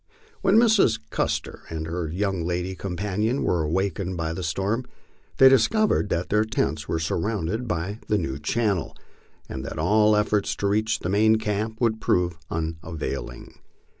When Mrs. Custer and her young lady companion were awakened by the storm, they discovered that their tents were surrounded by the new channel, and that all efforts to reach the main camp would prove unavailing.